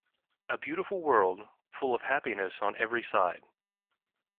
A beautiful world, full of happiness on every side.